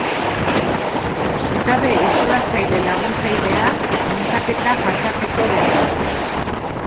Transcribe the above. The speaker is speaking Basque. Zutabe isolatzaile laguntzailea, muntaketa jasateko dena.